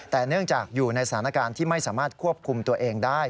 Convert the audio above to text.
แต่เนื่องจากอยู่ในสถานการณ์ที่ไม่สามารถควบคุมตัวเองได้